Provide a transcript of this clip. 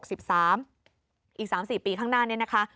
อีก๓๔ปีข้างหน้านี้นะคะ